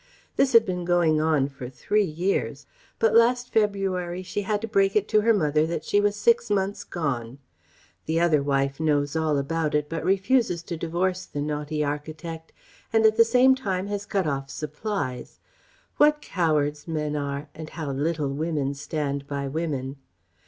This had been going on for three years. But last February she had to break it to her mother that she was six months gone. The other wife knows all about it but refuses to divorce the naughty architect, and at the same time has cut off supplies What cowards men are and how little women stand by women!